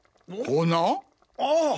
ああ。